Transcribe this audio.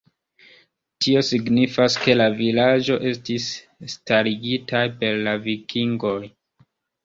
Tio signifas ke la vilaĝo estis starigitaj per la vikingoj.